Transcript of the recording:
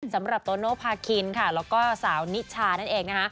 สำหรับโตโนภาคินค่ะแล้วก็สาวนิชานั่นเองนะคะ